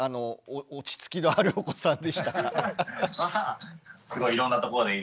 落ち着きがあるお子さんでしたか？